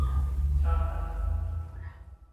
恰饭